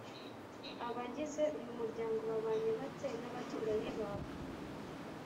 Abagize uyu muryango babanye bate n’abaturanyi babo?